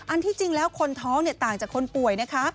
ที่จริงแล้วคนท้องต่างจากคนป่วยนะคะ